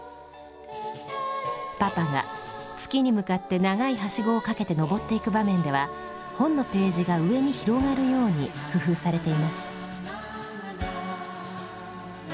パパが月に向かって長いはしごをかけて登っていく場面では本のページが上に広がるように工夫されています。